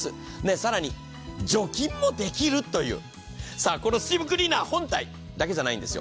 更に除菌もできるという、このスチームクリーナー本体だけじゃないんですよ。